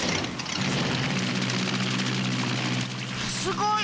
すごい！